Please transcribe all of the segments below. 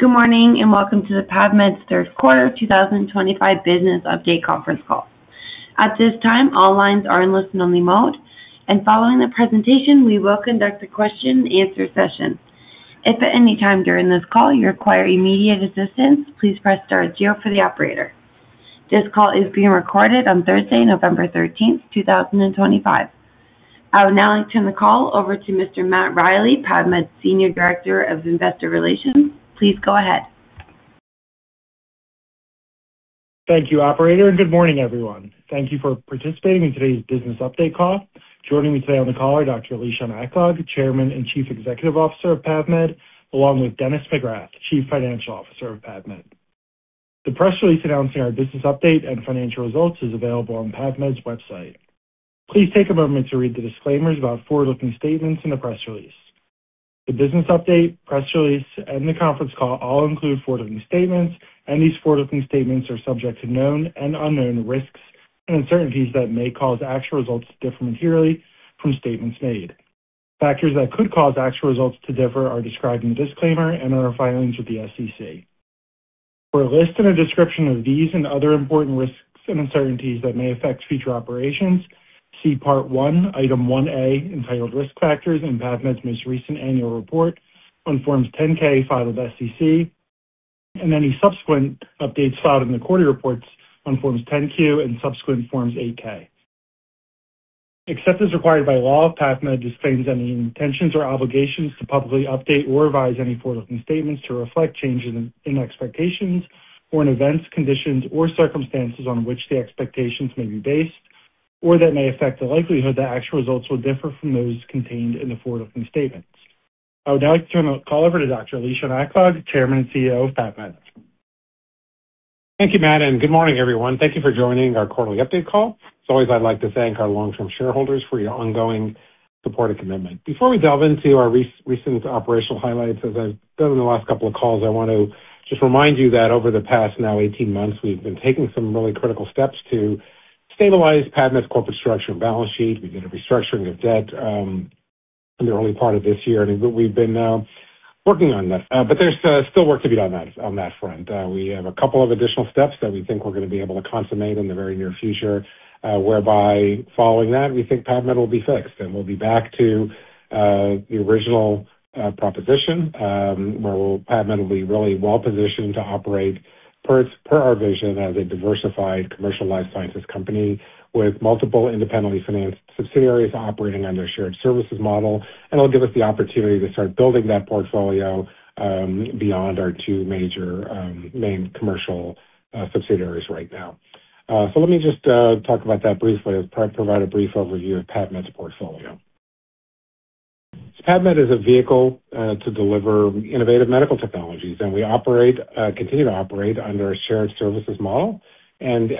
Good morning and welcome to the PAVmed third quarter 2025 Business Update conference call. At this time, all lines are in listen-only mode, and following the presentation, we will conduct a question-and-answer session. If at any time during this call you require immediate assistance, please press star zero for the operator. This call is being recorded on Thursday, November 13, 2025. I would now like to turn the call over to Mr. Matt Riley, PAVmed Senior Director of Investor Relations. Please go ahead. Thank you, Operator, and good morning, everyone. Thank you for participating in today's business update call. Joining me today on the call are Dr. Lishan Aklog, Chairman and Chief Executive Officer of PAVmed, along with Dennis McGrath, Chief Financial Officer of PAVmed. The press release announcing our business update and financial results is available on PAVmed's website. Please take a moment to read the disclaimers about forward-looking statements in the press release. The business update, press release, and the conference call all include forward-looking statements, and these forward-looking statements are subject to known and unknown risks and uncertainties that may cause actual results to differ materially from statements made. Factors that could cause actual results to differ are described in the disclaimer and are our filings with the SEC. For a list and a description of these and other important risks and uncertainties that may affect future operations, see Part 1, Item 1A, entitled Risk Factors in PAVmed's most recent annual report on Forms 10-K filed with the SEC, and any subsequent updates filed in the quarterly reports on Forms 10-Q and subsequent Forms 8-K. Except as required by law, PAVmed disclaims any intentions or obligations to publicly update or revise any forward-looking statements to reflect changes in expectations or in events, conditions, or circumstances on which the expectations may be based, or that may affect the likelihood that actual results will differ from those contained in the forward-looking statements. I would now like to turn the call over to Dr. Lishan Aklog, Chairman and CEO of PAVmed. Thank you, Matt, and good morning, everyone. Thank you for joining our quarterly update call. As always, I'd like to thank our long-term shareholders for your ongoing support and commitment. Before we delve into our recent operational highlights, as I've done in the last couple of calls, I want to just remind you that over the past now 18 months, we've been taking some really critical steps to stabilize PAVmed's corporate structure and balance sheet. We did a restructuring of debt in the early part of this year, and we've been working on that. There is still work to be done on that front. We have a couple of additional steps that we think we're going to be able to consummate in the very near future, whereby following that, we think PAVmed will be fixed and we'll be back to the original proposition where PAVmed will be really well-positioned to operate per our vision as a diversified commercial life sciences company with multiple independently financed subsidiaries operating under a shared services model, and it'll give us the opportunity to start building that portfolio beyond our two major main commercial subsidiaries right now. Let me just talk about that briefly and provide a brief overview of PAVmed's portfolio. PAVmed is a vehicle to deliver innovative medical technologies, and we operate, continue to operate under a shared services model. As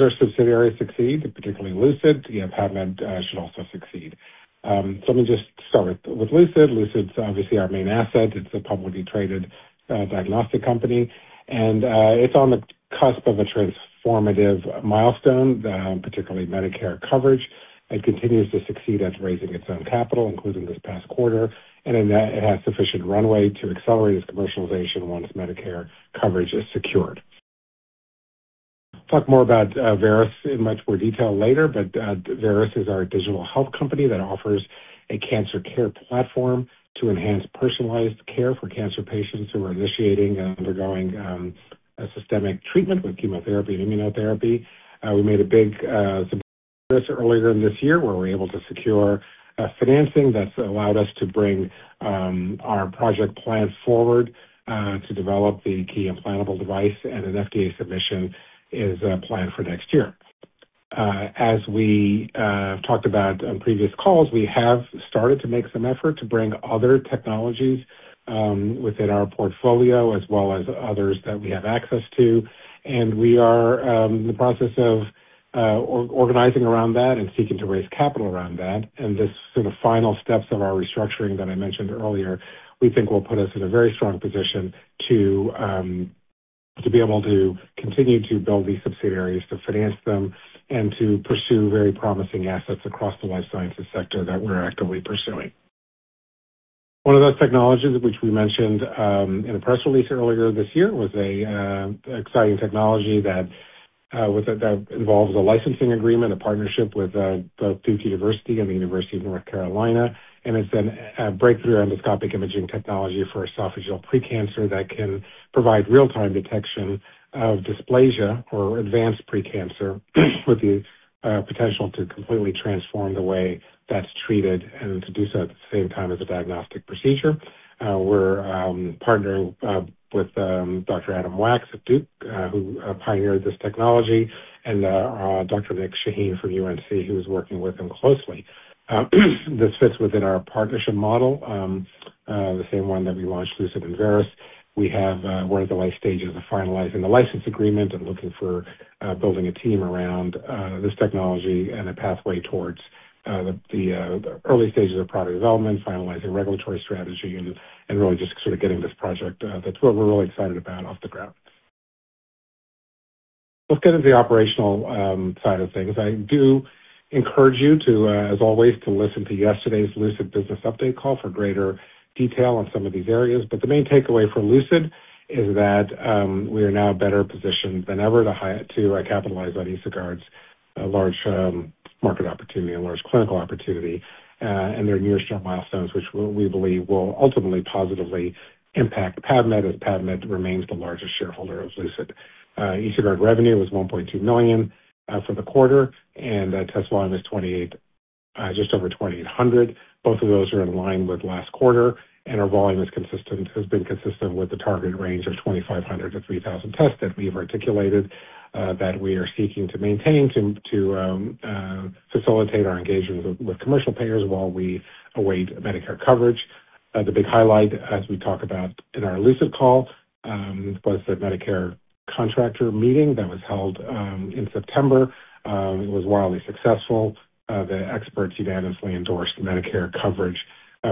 our subsidiaries succeed, particularly Lucid, PAVmed should also succeed. Let me just start with Lucid. Lucid's obviously our main asset. It's a publicly traded diagnostic company, and it's on the cusp of a transformative milestone, particularly Medicare coverage. It continues to succeed at raising its own capital, including this past quarter, and it has sufficient runway to accelerate its commercialization once Medicare coverage is secured. Talk more about Veris in much more detail later, but Veris is our digital health company that offers a cancer care platform to enhance personalized care for cancer patients who are initiating and undergoing systemic treatment with chemotherapy and immunotherapy. We made a big support for Veris earlier in this year where we're able to secure financing that's allowed us to bring our project plan forward to develop the key implantable device, and an FDA submission is planned for next year. As we talked about on previous calls, we have started to make some effort to bring other technologies within our portfolio as well as others that we have access to, and we are in the process of organizing around that and seeking to raise capital around that. The final steps of our restructuring that I mentioned earlier, we think will put us in a very strong position to be able to continue to build these subsidiaries, to finance them, and to pursue very promising assets across the life sciences sector that we're actively pursuing. One of those technologies which we mentioned in a press release earlier this year was an exciting technology that involves a licensing agreement, a partnership with Duke University and the University of North Carolina, and it's a breakthrough endoscopic imaging technology for esophageal precancer that can provide real-time detection of dysplasia or advanced precancer with the potential to completely transform the way that's treated and to do so at the same time as a diagnostic procedure. We're partnering with Dr. Adam Wax at Duke, who pioneered this technology, and Dr. Nick Shaheen from UNC, who is working with him closely. This fits within our partnership model, the same one that we launched Lucid and Veris. We have one of the late stages of finalizing the license agreement and looking for building a team around this technology and a pathway towards the early stages of product development, finalizing regulatory strategy, and really just sort of getting this project. That's what we're really excited about off the ground. Let's get into the operational side of things. I do encourage you to, as always, listen to yesterday's Lucid business update call for greater detail on some of these areas, but the main takeaway for Lucid is that we are now better positioned than ever to capitalize on EsoGuard's large market opportunity and large clinical opportunity and their near-term milestones, which we believe will ultimately positively impact PAVmed as PAVmed remains the largest shareholder of Lucid. EsoGuard revenue was $1.2 million for the quarter, and test volume is just over 2,800. Both of those are in line with last quarter, and our volume has been consistent with the target range of 2,500-3,000 tests that we've articulated that we are seeking to maintain to facilitate our engagement with commercial payers while we await Medicare coverage. The big highlight, as we talk about in our Lucid call, was the Medicare contractor meeting that was held in September. It was wildly successful. The experts unanimously endorsed Medicare coverage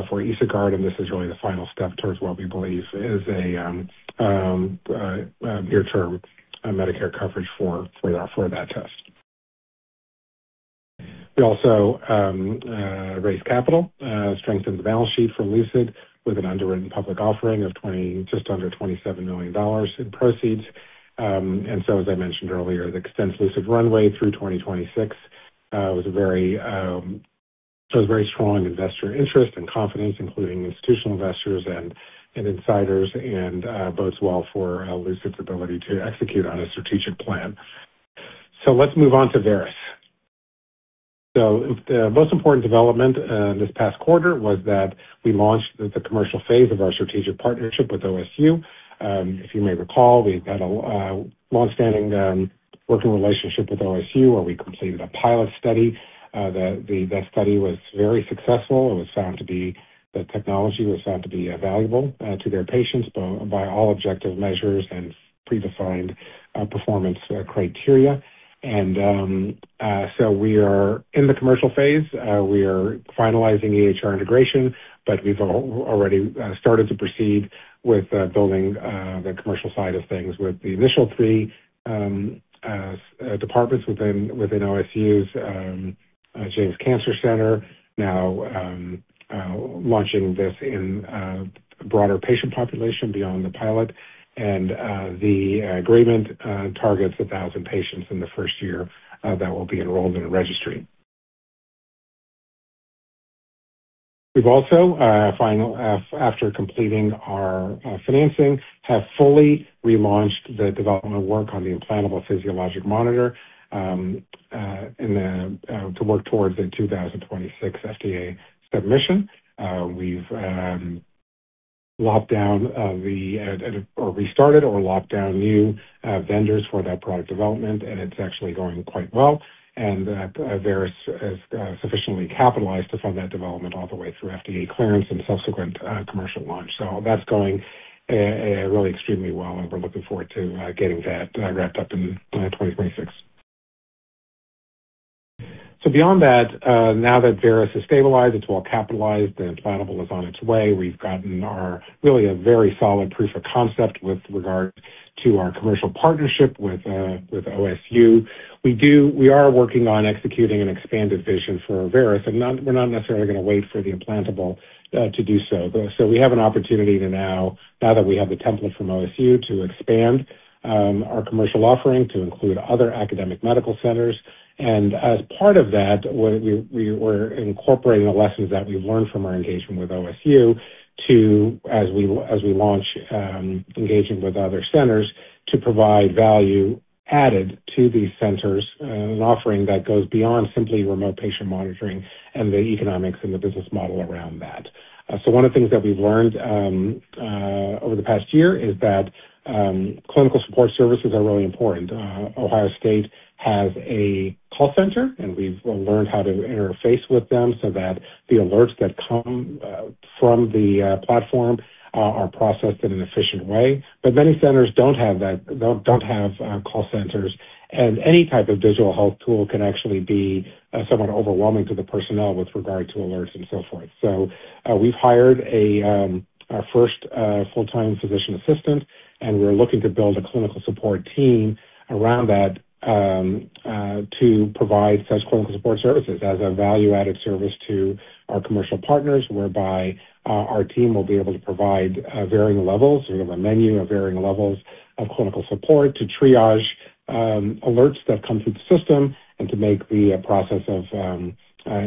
for EsoGuard, and this is really the final step towards what we believe is a near-term Medicare coverage for that test. We also raised capital, strengthened the balance sheet for Lucid with an underwritten public offering of just under $27 million in proceeds. As I mentioned earlier, the extensive Lucid runway through 2026 was very strong investor interest and confidence, including institutional investors and insiders, and bodes well for Lucid's ability to execute on a strategic plan. Let's move on to Veris. The most important development this past quarter was that we launched the commercial phase of our strategic partnership with OSU. If you may recall, we've had a long-standing working relationship with OSU where we completed a pilot study. That study was very successful. It was found to be the technology was found to be valuable to their patients by all objective measures and predefined performance criteria. We are in the commercial phase. We are finalizing EHR integration, but we've already started to proceed with building the commercial side of things with the initial three departments within OSU's James Cancer Center, now launching this in a broader patient population beyond the pilot. The agreement targets 1,000 patients in the first year that will be enrolled in a registry. We've also, after completing our financing, fully relaunched the development work on the implantable physiologic monitor to work towards a 2026 FDA submission. We've locked down or restarted or locked down new vendors for that product development, and it's actually going quite well. Veris has sufficiently capitalized to fund that development all the way through FDA clearance and subsequent commercial launch. That is going really extremely well, and we're looking forward to getting that wrapped up in 2026. Beyond that, now that Veris has stabilized, it's well capitalized, the implantable is on its way. We've gotten a really very solid proof of concept with regard to our commercial partnership with OSU. We are working on executing an expanded vision for Veris, and we're not necessarily going to wait for the implantable to do so. We have an opportunity now, now that we have the template from OSU, to expand our commercial offering to include other academic medical centers. As part of that, we're incorporating the lessons that we've learned from our engagement with OSU as we launch engaging with other centers to provide value added to these centers, an offering that goes beyond simply remote patient monitoring and the economics and the business model around that. One of the things that we've learned over the past year is that clinical support services are really important. Ohio State has a call center, and we've learned how to interface with them so that the alerts that come from the platform are processed in an efficient way. Many centers don't have call centers, and any type of digital health tool can actually be somewhat overwhelming to the personnel with regard to alerts and so forth. We've hired our first full-time physician assistant, and we're looking to build a clinical support team around that to provide such clinical support services as a value-added service to our commercial partners, whereby our team will be able to provide a menu of varying levels of clinical support to triage alerts that come through the system and to make the process of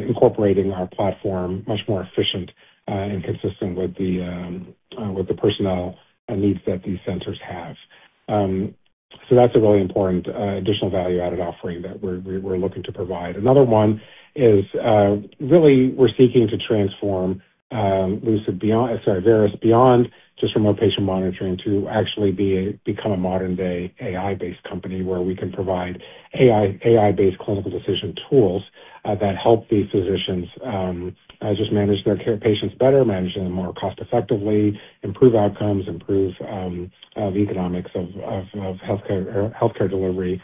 incorporating our platform much more efficient and consistent with the personnel needs that these centers have. That's a really important additional value-added offering that we're looking to provide. Another one is really we're seeking to transform Lucid beyond, sorry, Veris beyond just remote patient monitoring to actually become a modern-day AI-based company where we can provide AI-based clinical decision tools that help these physicians just manage their care of patients better, manage them more cost-effectively, improve outcomes, improve the economics of healthcare delivery,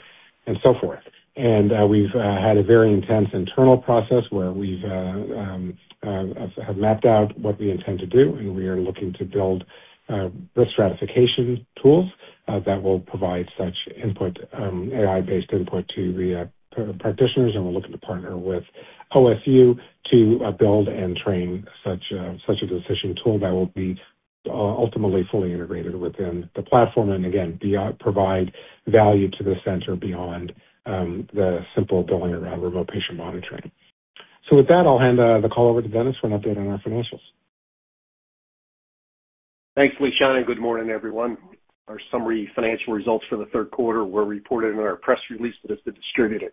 and so forth. We have had a very intense internal process where we've mapped out what we intend to do, and we are looking to build risk stratification tools that will provide such input, AI-based input to the practitioners. We are looking to partner with OSU to build and train such a decision tool that will be ultimately fully integrated within the platform and, again, provide value to the center beyond the simple billing around remote patient monitoring. With that, I'll hand the call over to Dennis for an update on our financials. Thanks, Lishan. Good morning, everyone. Our summary financial results for the third quarter were reported in our press release, but it is distributed.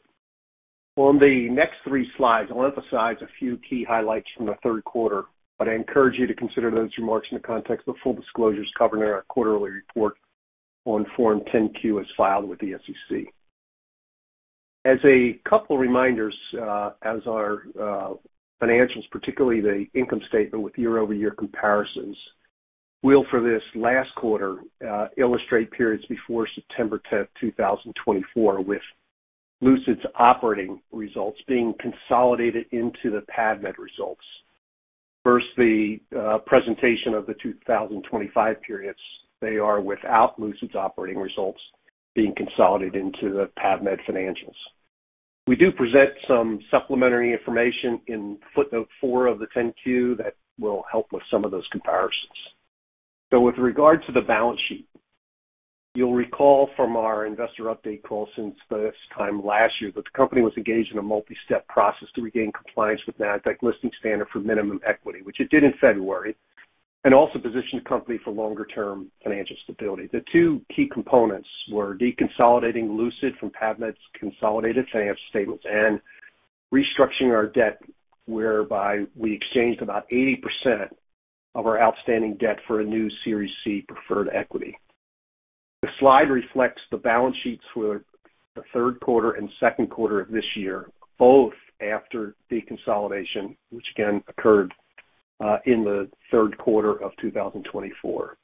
On the next three slides, I'll emphasize a few key highlights from the third quarter. I encourage you to consider those remarks in the context of full disclosures covered in our quarterly report on Form 10-Q as filed with the SEC. As a couple of reminders, as our financials, particularly the income statement with year-over-year comparisons, will for this last quarter illustrate periods before September 10, 2024, with Lucid's operating results being consolidated into the PAVmed results. The presentation of the 2025 periods is without Lucid's operating results being consolidated into the PAVmed financials. We do present some supplementary information in footnote four of the 10-Q that will help with some of those comparisons. With regard to the balance sheet, you'll recall from our investor update call since this time last year that the company was engaged in a multi-step process to regain compliance with the Nasdaq listing standard for minimum equity, which it did in February, and also positioned the company for longer-term financial stability. The two key components were deconsolidating Lucid from PAVmed's consolidated financial statements and restructuring our debt, whereby we exchanged about 80% of our outstanding debt for a new Series C preferred equity. The slide reflects the balance sheets for the third quarter and second quarter of this year, both after deconsolidation, which again occurred in the third quarter of 2024.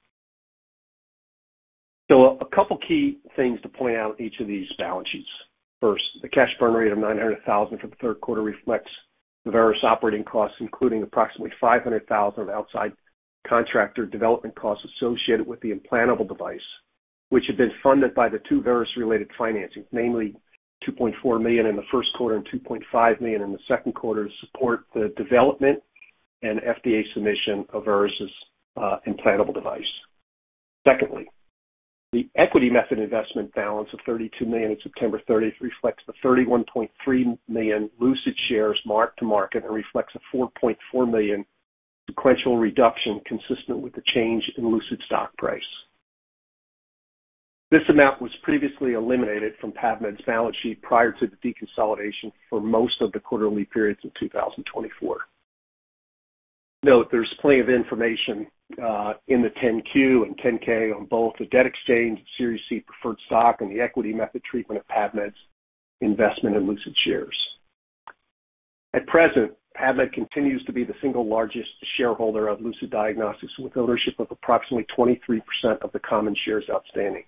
A couple of key things to point out in each of these balance sheets. First, the cash burn rate of $900,000 for the third quarter reflects the Veris operating costs, including approximately $500,000 of outside contractor development costs associated with the implantable device, which have been funded by the two Veris-related financings, namely $2.4 million in the first quarter and $2.5 million in the second quarter to support the development and FDA submission of Veris's implantable device. Secondly, the equity method investment balance of $32 million at September 30th reflects the 31.3 million Lucid shares marked to market and reflects a $4.4 million sequential reduction consistent with the change in Lucid stock price. This amount was previously eliminated from PAVmed's balance sheet prior to the deconsolidation for most of the quarterly periods of 2024. Note there's plenty of information in the 10-Q and 10-K on both the debt exchange, Series C preferred stock, and the equity method treatment of PAVmed's investment in Lucid shares. At present, PAVmed continues to be the single largest shareholder of Lucid Diagnostics, with ownership of approximately 23% of the common shares outstanding.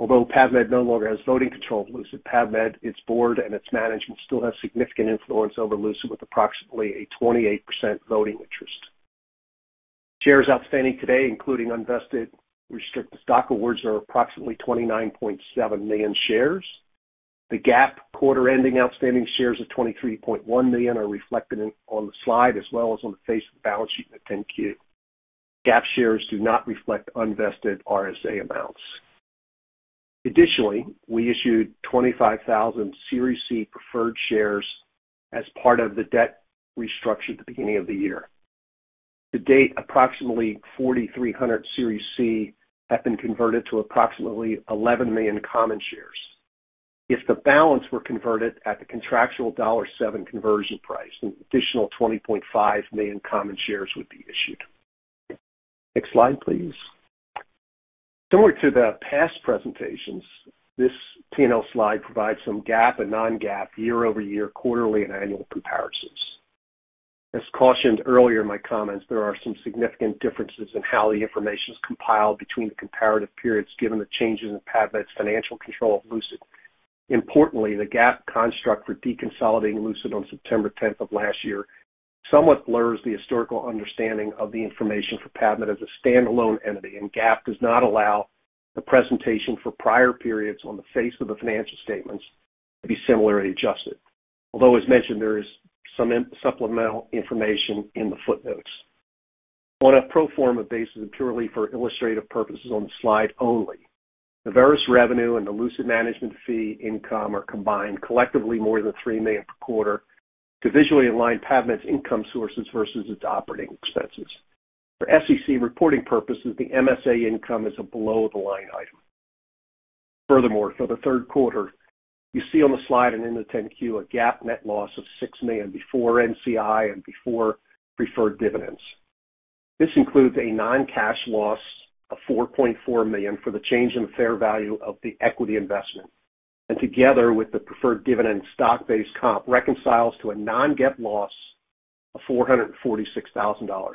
Although PAVmed no longer has voting control of Lucid, PAVmed, its board, and its management still have significant influence over Lucid with approximately a 28% voting interest. Shares outstanding today, including unvested restricted stock awards, are approximately 29.7 million shares. The GAAP quarter-ending outstanding shares of 23.1 million are reflected on the slide as well as on the face of the balance sheet in the 10-Q. GAAP shares do not reflect unvested RSA amounts. Additionally, we issued 25,000 Series C preferred shares as part of the debt restructure at the beginning of the year. To date, approximately 4,300 Series C have been converted to approximately 11 million common shares. If the balance were converted at the contractual $1.07 conversion price, an additional 20.5 million common shares would be issued. Next slide, please. Similar to the past presentations, this P&L slide provides some GAAP and Non-GAAP year-over-year quarterly and annual comparisons. As cautioned earlier in my comments, there are some significant differences in how the information is compiled between the comparative periods given the changes in PAVmed's financial control of Lucid. Importantly, the GAAP construct for deconsolidating Lucid on September 10th of last year somewhat blurs the historical understanding of the information for PAVmed as a standalone entity, and GAAP does not allow the presentation for prior periods on the face of the financial statements to be similarly adjusted. Although, as mentioned, there is some supplemental information in the footnotes. On a pro forma basis and purely for illustrative purposes on the slide only, the Veris revenue and the Lucid management fee income are combined collectively more than $3 million per quarter to visually align PAVmed's income sources versus its operating expenses. For SEC reporting purposes, the MSA income is a below-the-line item. Furthermore, for the third quarter, you see on the slide and in the 10-Q a GAAP net loss of $6 million before NCI and before preferred dividends. This includes a non-cash loss of $4.4 million for the change in the fair value of the equity investment. Together with the preferred dividend stock-based comp, reconciles to a Non-GAAP loss of $446,000,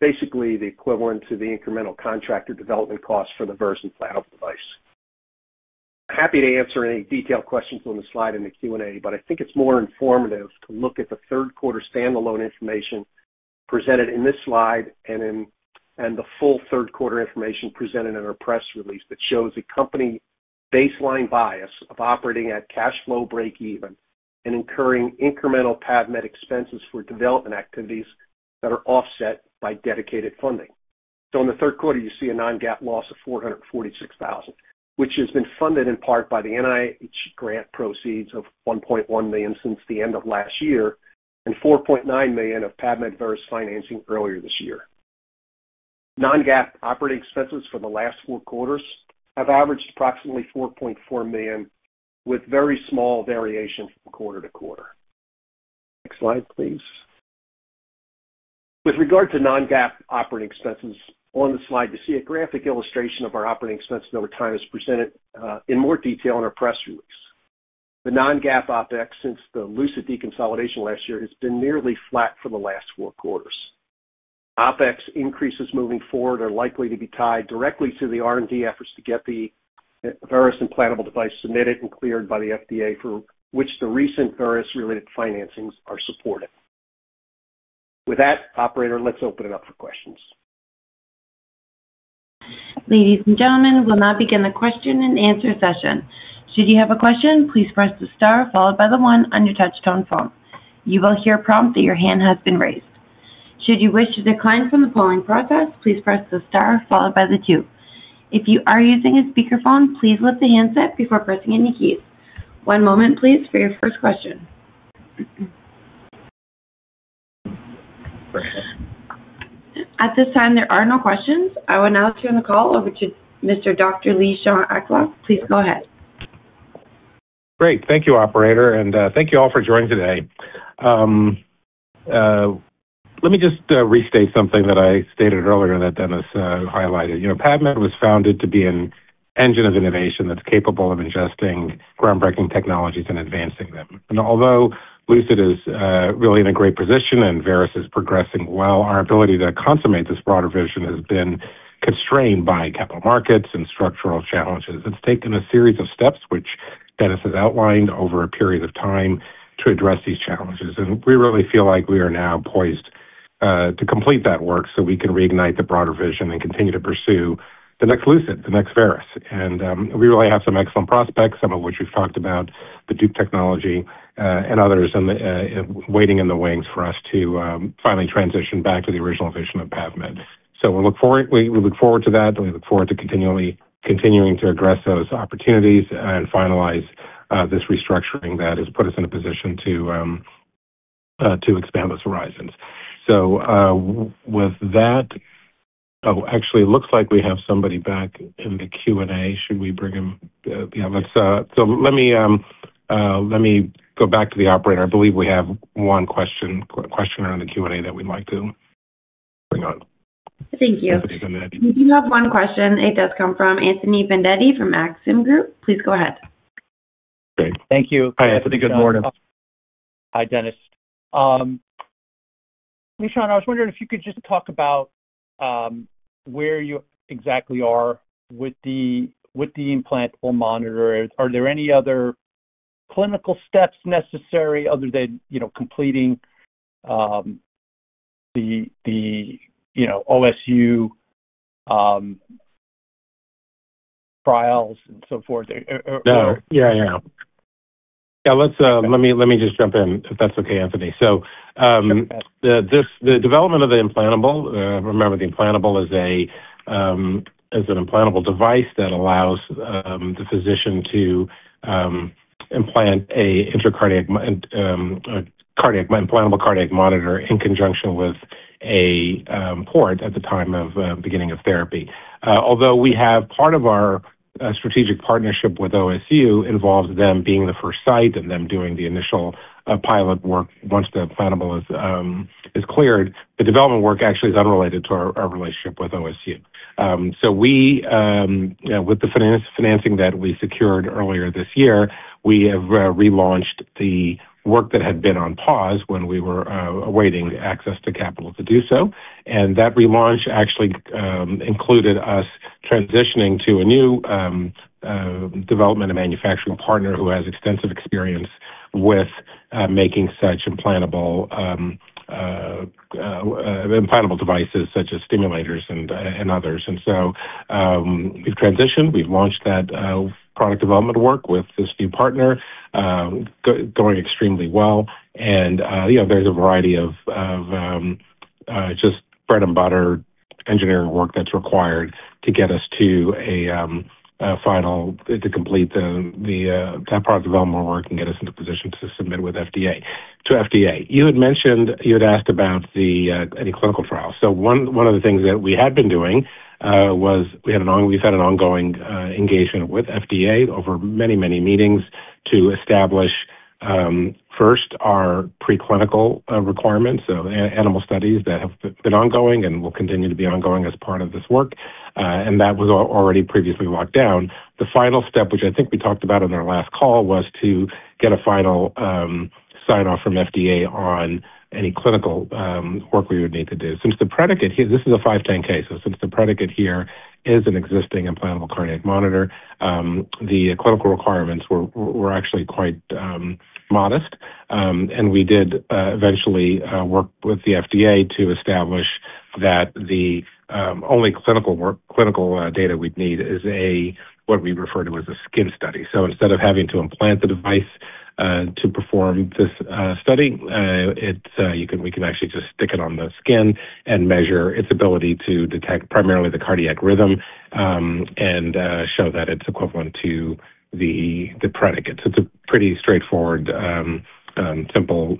basically the equivalent to the incremental contractor development costs for the Veris implantable device. I'm happy to answer any detailed questions on the slide in the Q&A, but I think it's more informative to look at the third quarter standalone information presented in this slide and the full third quarter information presented in our press release that shows a company baseline bias of operating at cash flow break-even and incurring incremental PAVmed expenses for development activities that are offset by dedicated funding. In the third quarter, you see a Non-GAAP loss of $446,000, which has been funded in part by the NIH grant proceeds of $1.1 million since the end of last year and $4.9 million of PAVmed Veris financing earlier this year. Non-GAAP operating expenses for the last four quarters have averaged approximately $4.4 million, with very small variation from quarter to quarter. Next slide, please. With regard to Non-GAAP operating expenses, on the slide, you see a graphic illustration of our operating expenses over time as presented in more detail in our press release. The Non-GAAP OpEx since the Lucid deconsolidation last year has been nearly flat for the last four quarters. OpEx increases moving forward are likely to be tied directly to the R&D efforts to get the Veris implantable device submitted and cleared by the FDA, for which the recent Veris-related financings are supported. With that, operator, let's open it up for questions. Ladies and gentlemen, we'll now begin the question-and-answer session. Should you have a question, please press the star followed by the one on your touch-tone phone. You will hear a prompt that your hand has been raised. Should you wish to decline from the polling process, please press the star followed by the two. If you are using a speakerphone, please lift the handset before pressing any keys. One moment, please, for your first question. At this time, there are no questions. I will now turn the call over to Dr. Lishan Aklog. Please go ahead. Great. Thank you, operator. Thank you all for joining today. Let me just restate something that I stated earlier that Dennis highlighted. PAVmed was founded to be an engine of innovation that's capable of ingesting groundbreaking technologies and advancing them. Although Lucid is really in a great position and Veris is progressing well, our ability to consummate this broader vision has been constrained by capital markets and structural challenges. It's taken a series of steps, which Dennis has outlined over a period of time, to address these challenges. We really feel like we are now poised to complete that work so we can reignite the broader vision and continue to pursue the next Lucid, the next Veris. We really have some excellent prospects, some of which we've talked about, the Duke Technology and others waiting in the wings for us to finally transition back to the original vision of PAVmed. We look forward to that, and we look forward to continuing to address those opportunities and finalize this restructuring that has put us in a position to expand those horizons. With that, oh, actually, it looks like we have somebody back in the Q&A. Should we bring him? Yeah. Let me go back to the operator. I believe we have one question around the Q&A that we'd like to bring on. Thank you. We do have one question. It does come from Anthony Vendetti from Maxim Group. Please go ahead. Thank you. Hi, Anthony. Good morning. Hi, Dennis. Lishan, I was wondering if you could just talk about where you exactly are with the implantable monitor. Are there any other clinical steps necessary other than completing the OSU trials and so forth? Yeah. Yeah. Yeah. Let me just jump in, if that's okay, Anthony. The development of the implantable—remember, the implantable is an implantable device that allows the physician to implant an implantable cardiac monitor in conjunction with a port at the beginning of therapy. Although part of our strategic partnership with OSU involves them being the first site and them doing the initial pilot work once the implantable is cleared, the development work actually is unrelated to our relationship with OSU. With the financing that we secured earlier this year, we have relaunched the work that had been on pause when we were awaiting access to capital to do so. That relaunch actually included us transitioning to a new development and manufacturing partner who has extensive experience with making such implantable devices such as stimulators and others. We have transitioned. We've launched that product development work with this new partner, going extremely well. There's a variety of just bread-and-butter engineering work that's required to get us to a final, to complete that product development work and get us into position to submit to FDA. You had mentioned, you had asked about any clinical trials. One of the things that we had been doing was we've had an ongoing engagement with FDA over many, many meetings to establish first our preclinical requirements, so animal studies that have been ongoing and will continue to be ongoing as part of this work. That was already previously locked down. The final step, which I think we talked about on our last call, was to get a final sign-off from FDA on any clinical work we would need to do. Since the predicate here—this is a 510(k) case. Since the predicate here is an existing implantable cardiac monitor, the clinical requirements were actually quite modest. We did eventually work with the FDA to establish that the only clinical data we'd need is what we refer to as a skin study. Instead of having to implant the device to perform this study, we can actually just stick it on the skin and measure its ability to detect primarily the cardiac rhythm and show that it's equivalent to the predicate. It's a pretty straightforward, simple,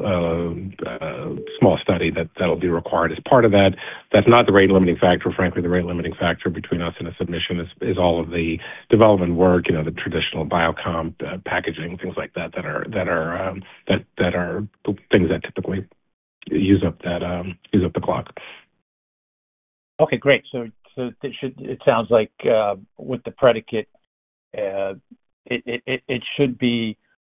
small study that'll be required as part of that. That's not the rate-limiting factor. Frankly, the rate-limiting factor between us and a submission is all of the development work, the traditional BioComp packaging, things like that that are things that typically use up the clock. Okay. Great. So it sounds like with the predicate, it should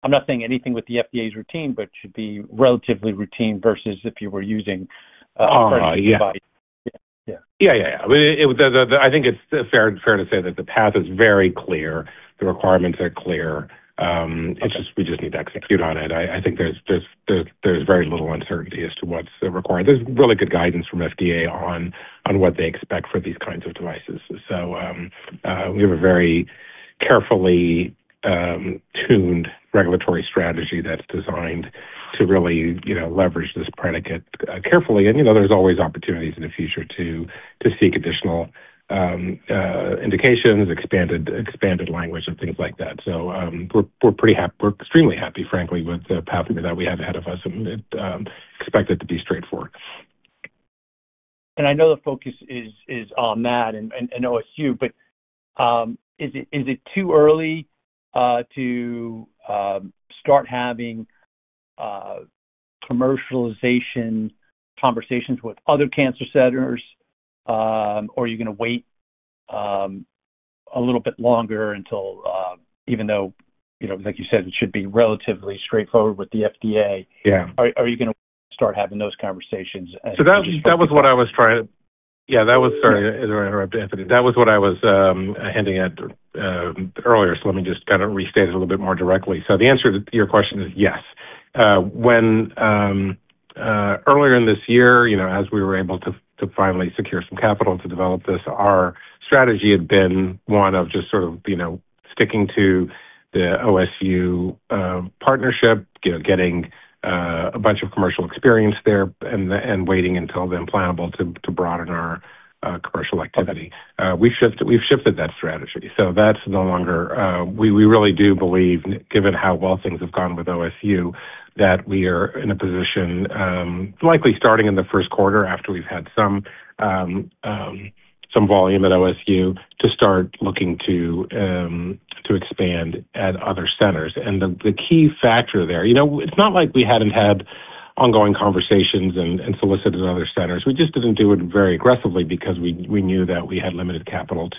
be—I'm not saying anything with the FDA's routine, but it should be relatively routine versus if you were using a personified. Yeah. I think it's fair to say that the path is very clear. The requirements are clear. We just need to execute on it. I think there's very little uncertainty as to what's required. There's really good guidance from FDA on what they expect for these kinds of devices. We have a very carefully tuned regulatory strategy that's designed to really leverage this predicate carefully. There's always opportunities in the future to seek additional indications, expanded language, and things like that. We're extremely happy, frankly, with the pathway that we have ahead of us. We expect it to be straightforward. I know the focus is on that and OSU, but is it too early to start having commercialization conversations with other cancer centers, or are you going to wait a little bit longer until, even though, like you said, it should be relatively straightforward with the FDA? Yeah. Are you going to start having those conversations as soon as you? That was what I was trying to—yeah, sorry to interrupt, Anthony. That was what I was hinting at earlier. Let me just kind of restate it a little bit more directly. The answer to your question is yes. Earlier in this year, as we were able to finally secure some capital to develop this, our strategy had been one of just sort of sticking to the OSU partnership, getting a bunch of commercial experience there, and waiting until the implantable to broaden our commercial activity. We've shifted that strategy. That is no longer—we really do believe, given how well things have gone with OSU, that we are in a position likely starting in the first quarter after we've had some volume at OSU to start looking to expand at other centers. The key factor there, it's not like we hadn't had ongoing conversations and solicited other centers. We just didn't do it very aggressively because we knew that we had limited capital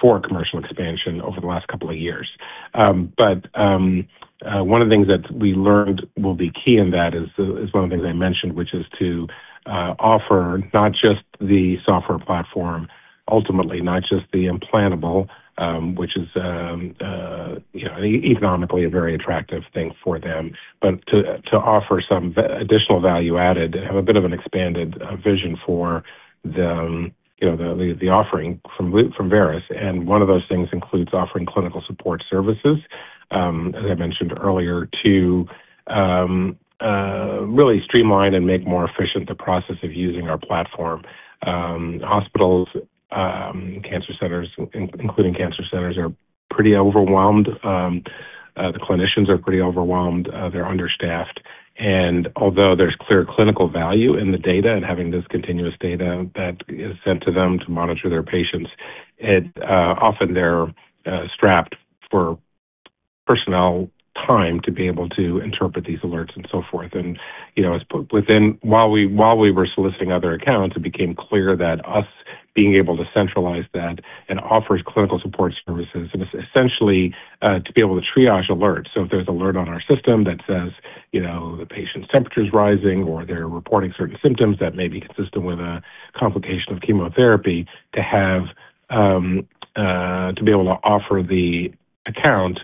for commercial expansion over the last couple of years. One of the things that we learned will be key in that is one of the things I mentioned, which is to offer not just the software platform, ultimately, not just the implantable, which is economically a very attractive thing for them, but to offer some additional value added and have a bit of an expanded vision for the offering from Veris. One of those things includes offering clinical support services, as I mentioned earlier, to really streamline and make more efficient the process of using our platform. Hospitals, cancer centers, including cancer centers, are pretty overwhelmed. The clinicians are pretty overwhelmed. They're understaffed. Although there's clear clinical value in the data and having this continuous data that is sent to them to monitor their patients, often they're strapped for personnel time to be able to interpret these alerts and so forth. While we were soliciting other accounts, it became clear that us being able to centralize that and offer clinical support services is essentially to be able to triage alerts. If there's an alert on our system that says the patient's temperature's rising or they're reporting certain symptoms that may be consistent with a complication of chemotherapy, to be able to offer the account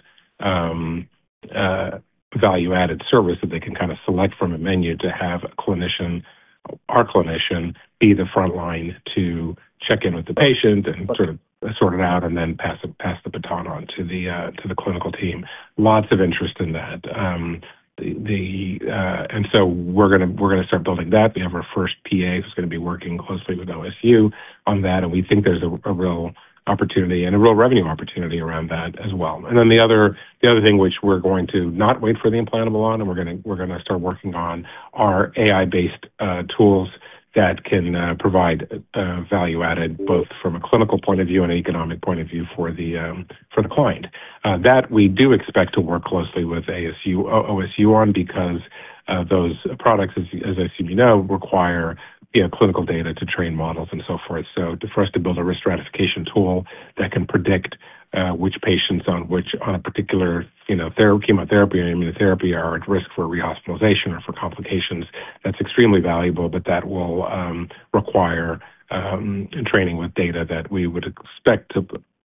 value-added service that they can kind of select from a menu to have our clinician be the front line to check in with the patient and sort of sort it out and then pass the baton on to the clinical team. Lots of interest in that. We are going to start building that. We have our first PA who is going to be working closely with OSU on that. We think there is a real opportunity and a real revenue opportunity around that as well. The other thing, which we are not going to wait for the implantable on, and we are going to start working on, are AI-based tools that can provide value-added both from a clinical point of view and an economic point of view for the client. We do expect to work closely with OSU on that because those products, as I assume you know, require clinical data to train models and so forth. For us to build a risk stratification tool that can predict which patients on a particular chemotherapy or immunotherapy are at risk for rehospitalization or for complications, that's extremely valuable, but that will require training with data that we would expect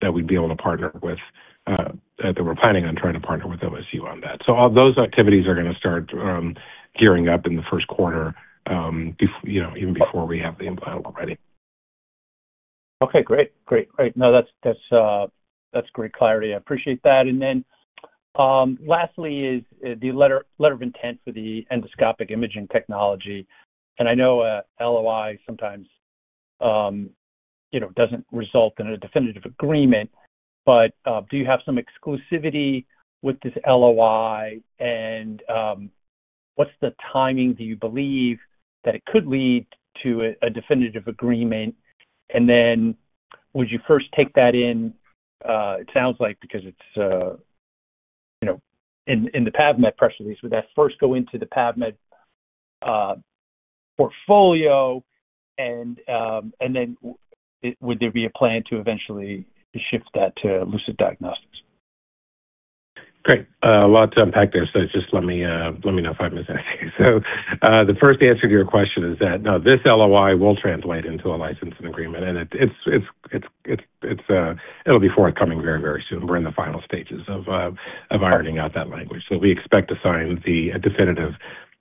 that we'd be able to partner with, that we're planning on trying to partner with OSU on that. Those activities are going to start gearing up in the first quarter even before we have the implantable ready. Okay. Great. Great. Great. No, that's great clarity. I appreciate that. Lastly, is the letter of intent for the endoscopic imaging technology. I know LOI sometimes does not result in a definitive agreement, but do you have some exclusivity with this LOI? What is the timing that you believe it could lead to a definitive agreement? Would you first take that in? It sounds like because it is in the PAVmed press release, would that first go into the PAVmed portfolio? Would there be a plan to eventually shift that to Lucid Diagnostics? Great. A lot to unpack there. Just let me know if I missed anything. The first answer to your question is that, no, this LOI will translate into a license and agreement. It'll be forthcoming very, very soon. We're in the final stages of ironing out that language. We expect to sign the definitive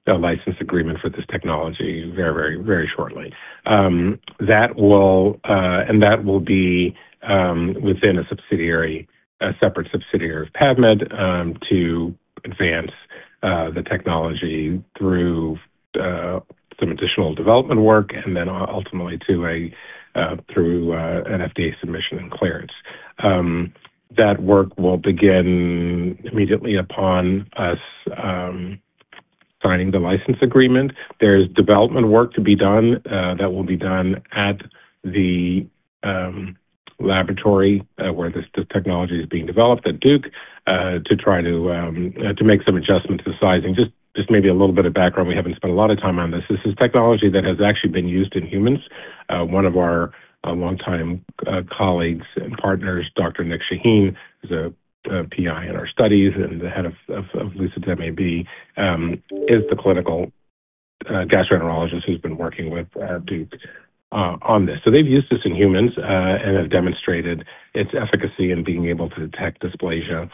license agreement for this technology very, very shortly. That will be within a separate subsidiary of PAVmed to advance the technology through some additional development work and ultimately through an FDA submission and clearance. That work will begin immediately upon us signing the license agreement. There is development work to be done that will be done at the laboratory where this technology is being developed at Duke to try to make some adjustments to sizing. Just maybe a little bit of background. We haven't spent a lot of time on this. This is technology that has actually been used in humans. One of our longtime colleagues and partners, Dr. Nick Shaheen, who's a PI in our studies and the head of Lucid MAB, is the clinical gastroenterologist who's been working with Duke on this. They have used this in humans and have demonstrated its efficacy in being able to detect dysplasia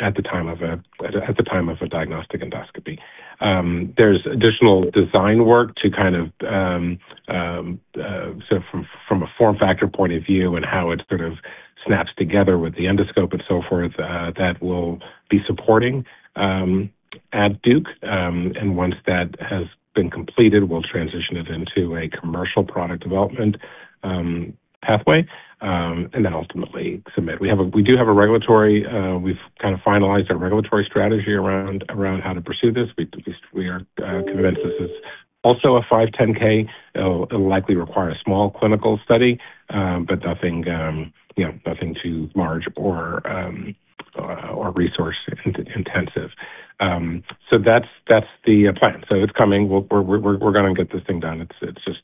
at the time of a diagnostic endoscopy. There is additional design work to kind of sort of from a form factor point of view and how it sort of snaps together with the endoscope and so forth that we'll be supporting at Duke. Once that has been completed, we'll transition it into a commercial product development pathway and then ultimately submit. We do have a regulatory—we've kind of finalized our regulatory strategy around how to pursue this. We are convinced this is also a 510(k). It'll likely require a small clinical study, but nothing too large or resource-intensive. That's the plan. It's coming. We're going to get this thing done. It's just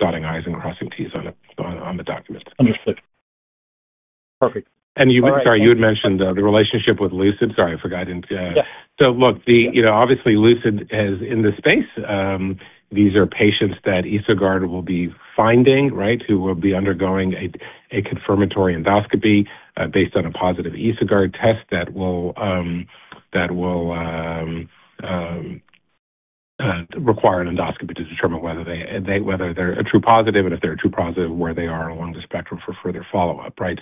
dotting I's and crossing T's on the documents. Understood. Perfect. Sorry, you had mentioned the relationship with Lucid. Sorry, I forgot to—look, obviously, Lucid is in the space. These are patients that EsoGuard will be finding, right, who will be undergoing a confirmatory endoscopy based on a positive EsoGuard test that will require an endoscopy to determine whether they're a true positive and if they're a true positive, where they are along the spectrum for further follow-up, right?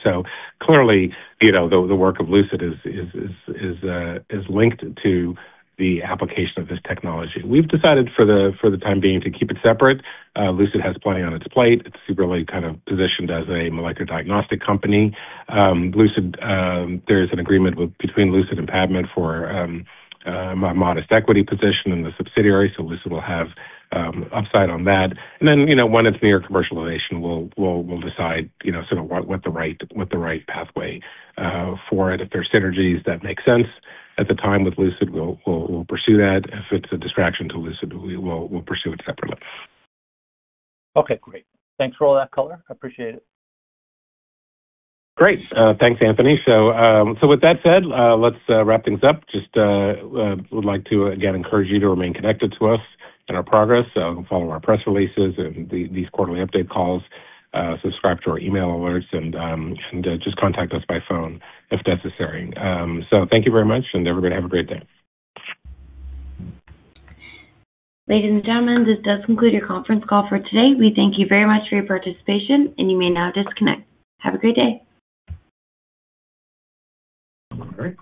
Clearly, the work of Lucid is linked to the application of this technology. We've decided for the time being to keep it separate. Lucid has plenty on its plate. It's really kind of positioned as a molecular diagnostic company. There is an agreement between Lucid and PAVmed for a modest equity position in the subsidiary. Lucid will have upside on that. When it's near commercialization, we'll decide sort of what the right pathway for it. If there are synergies that make sense at the time with Lucid, we'll pursue that. If it's a distraction to Lucid, we'll pursue it separately. Okay. Great. Thanks for all that color. I appreciate it. Great. Thanks, Anthony. With that said, let's wrap things up. I just would like to, again, encourage you to remain connected to us and our progress. Follow our press releases and these quarterly update calls. Subscribe to our email alerts and just contact us by phone if necessary. Thank you very much. Everybody have a great day. Ladies and gentlemen, this does conclude your conference call for today. We thank you very much for your participation, and you may now disconnect. Have a great day. All right.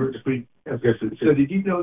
Did you know?